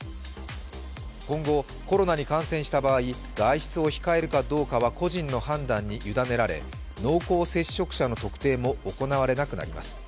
今後、コロナに感染した場合外出を控えるかどうかは個人の判断に委ねられ、濃厚接触者の特定も行われなくなります。